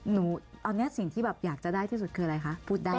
หนูตอนนี้สิ่งที่แบบอยากจะได้ที่สุดคืออะไรคะ